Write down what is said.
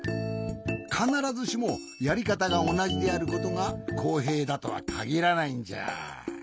かならずしもやりかたがおなじであることがこうへいだとはかぎらないんじゃ。